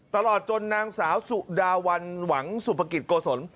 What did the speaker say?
ตลอดจนนางสาวสุดาวันหวังสุภกิจโกศล